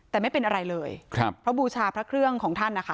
แต่ไม่เป็นอะไรเลยครับเพราะบูชาพระเครื่องของท่านนะคะ